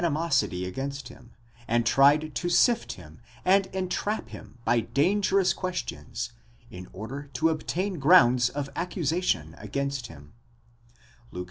mosity against him, and tried to sift him and entrap him by dangerous ques tions, in order to obtain grounds of accusation against him (Luke xi.